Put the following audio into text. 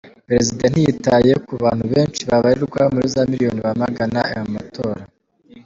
Perezida ntiyitaye ku bantu benshi babarirwa muri za miliyoni bamagana aya matora.